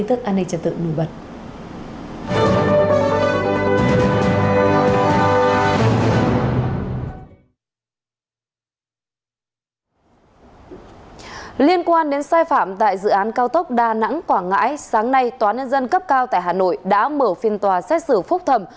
tại dự án cao tốc đà nẵng quảng ngãi sáng nay tòa nhân dân cấp cao tại hà nội đã mở phiên tòa xét xử phúc thẩm